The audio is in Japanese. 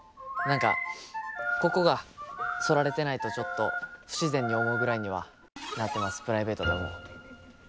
何かここが剃られてないとちょっと不自然に思うぐらいにはなってます。